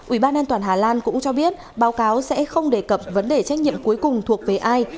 ủy ban an toàn hà lan cũng cho biết báo cáo sẽ không đề cập vấn đề trách nhiệm cuối cùng thuộc về ai